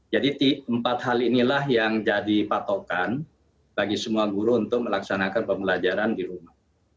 jadi empat hal inilah yang jadi patokan bagi semua guru untuk melaksanakan pembelajaran di rumah